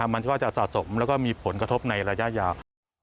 มันก็จะสะสมแล้วก็มีผลกระทบในระยะยาว